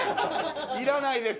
いらないです。